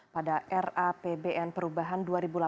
pada rapbn perubahan dua ribu delapan belas